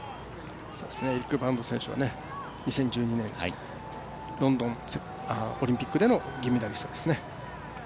エリック・バロンド選手は２０１２年ロンドンオリンピックでの銀メダリストですね。